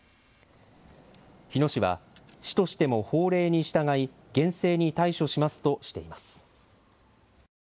日野市は市としても法令に従い厳正に対処しますとしています。